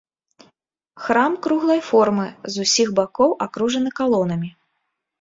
Храм круглай формы, з усіх бакоў акружаны калонамі.